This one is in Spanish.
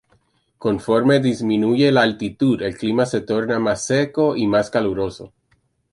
Conforme disminuye la altitud el clima se torna más seco y más caluroso.